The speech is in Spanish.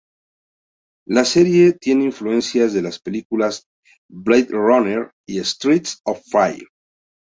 La serie tiene influencias de las películas "Blade Runner" y "Streets of Fire".